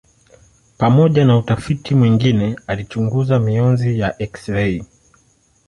Pamoja na utafiti mwingine alichunguza mionzi ya eksirei.